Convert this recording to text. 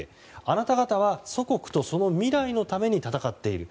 あなた方は祖国とその未来のために戦っている。